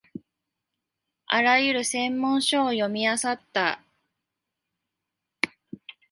あらゆる専門書を読みあさった